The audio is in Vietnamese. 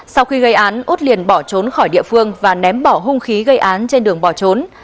sau khi gây án út liền bỏ trốn khỏi địa phương và ném bỏ hung khí gây án trên đường bỏ trốn